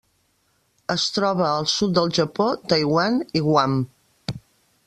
Es troba al sud del Japó, Taiwan i Guam.